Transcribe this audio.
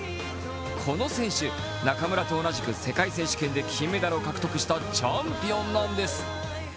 この選手、中村と同じく世界選手権で金メダルを獲得したチャンピオンなんです。